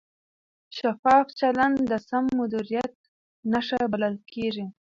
شفاف چلند د سم مدیریت نښه بلل کېږي.